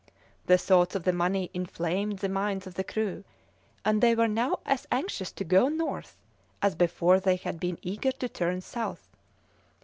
The thoughts of the money inflamed the minds of the crew, and they were now as anxious to go north as before they had been eager to turn south.